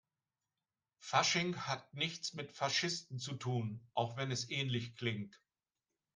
Fasching hat nichts mit Faschisten zu tun, auch wenn es ähnlich klingt.